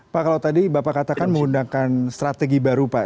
pak kalau tadi bapak katakan menggunakan strategi baru pak